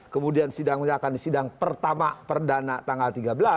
kemudian sidangnya akan di sidang pertama perdana tanggal tiga belas